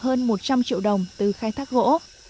hơn một trăm linh triệu đồng từ khai thác gỗ